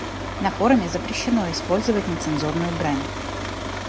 На форуме запрещено использовать нецензурную брань.